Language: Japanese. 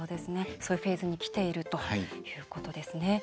そういうフェーズにきているということですね。